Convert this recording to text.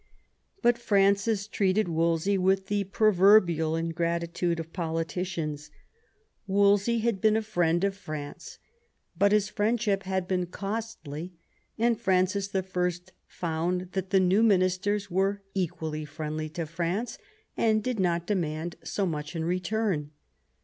But Francis treated Wolsey with the proverbial ingratitude of politicians. Wolsey had been a friend of France, but his friendship had been costly, and Francis L found that the new ministers were equally friendly to France, and did not demand so much in return.